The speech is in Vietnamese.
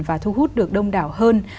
và thu hút được đông đảo hơn